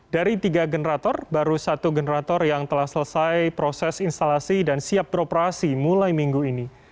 dari tiga generator baru satu generator yang telah selesai proses instalasi dan siap beroperasi mulai minggu ini